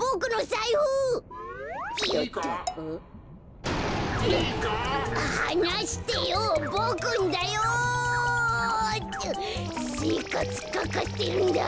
せいかつかかってるんだ。